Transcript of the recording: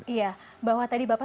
iya bahwa tadi bapak